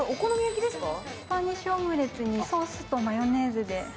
スパニッシュオムレツにソースとマヨネーズで。